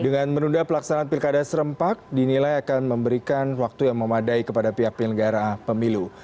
dengan menunda pelaksanaan pilkada serempak dinilai akan memberikan waktu yang memadai kepada pihak penyelenggara pemilu